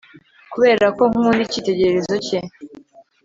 Kuberako nkunda icyitegererezo cye